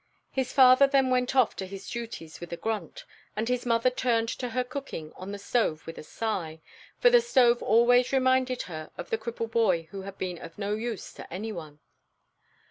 His father then went off to his duties with a grunt, and his mother turned to her cooking on the stove with a sigh; for the stove always reminded her of the cripple boy who had been of no use to any one.